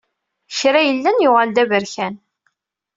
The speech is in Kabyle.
Kra yellan yuɣal d aberkan.